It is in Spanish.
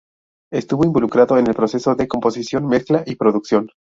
Estuvo involucrado en el proceso de composición, mezcla y producción.